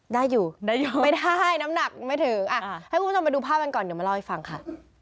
ได้อยู่ได้อยู่ไม่ได้น้ำหนักไม่ถึงอ่ะให้คุณผู้ชมไปดูภาพกันก่อนเดี๋ยวมาเล่าให้ฟังค่ะ